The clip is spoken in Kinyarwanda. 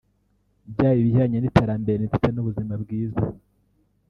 byaba ibijyanye n’iterambere ndetse n’ubuzima bwiza